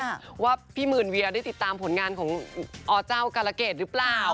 ว่าพี่หมื่นเวียได้ติดตามผลงานของอเจ้ากาลเกตหรือเปล่า